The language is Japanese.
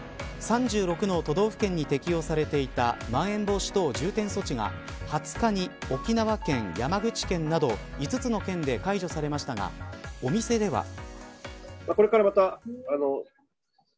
３６の都道府県に適用されていたまん延防止等重点措置が２０日に沖縄県、山口県など５つの県で解除されましたがお店では。